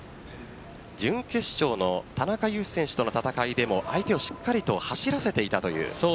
準決勝の田中湧士選手との戦いでも相手をしっかり走らせていたという。